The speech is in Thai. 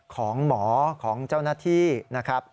ของหมอของเจ้าหน้าที่นะครับ